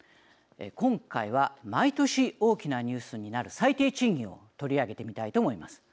今回は毎年大きなニュースとなっている最低賃金を取り上げていきたいと思います。